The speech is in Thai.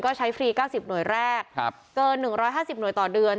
ก็ใช้ฟรีเก้าสิบหน่วยแรกครับเกินหนึ่งร้อยห้าสิบหน่วยต่อเดือน